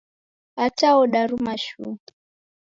Ata odaruma shuu!